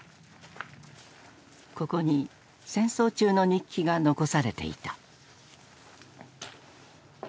ここに戦争中の日記が残されていた。